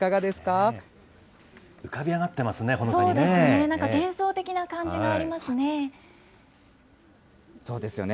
浮かび上がってますね、そうですね、なんか幻想的なそうですよね。